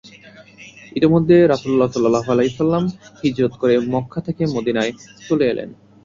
ইতিমধ্যে রাসূলুল্লাহ সাল্লাল্লাহু আলাইহি ওয়াসাল্লাম হিজরত করে মক্কা থেকে মদীনায় চলে এলেন।